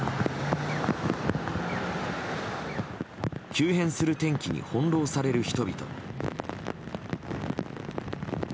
急変する天気に翻弄される人々。